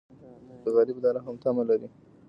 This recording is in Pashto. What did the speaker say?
غریب د رحم تمه لري